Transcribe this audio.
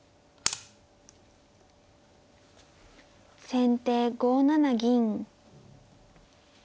先手５七銀。